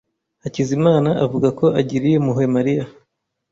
Hakizimana avuga ko agiriye impuhwe Mariya.